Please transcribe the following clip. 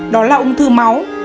đó là ung thư máu